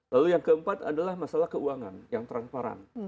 lalu yang keempat adalah masalah keuangan yang transparan